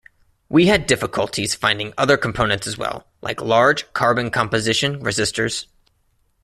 We had difficulties finding other components as well, like large carbon-composition resistors.